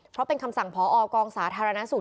เพราะเป็นคำสั่งพอกองสาธารณสุข